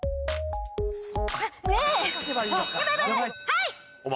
はい！